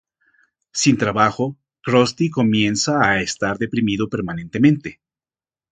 Sin trabajo, Krusty comienza a estar deprimido permanentemente.